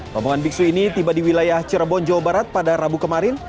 rombongan biksu ini tiba di wilayah cirebon jawa barat pada rabu kemarin